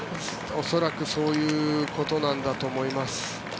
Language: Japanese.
恐らくそういうことなんだと思います。